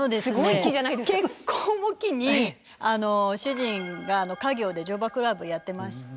結婚を機に主人が家業で乗馬クラブやってまして。